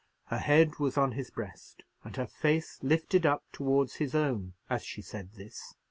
Her head was on his breast, and her face lifted up towards his own as she said this.